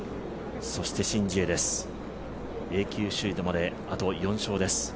シン・ジエです、Ａ級シードまであと４勝です。